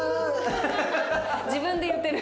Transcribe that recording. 自分で言ってる。